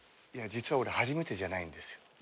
実は俺初めてじゃないんですよ。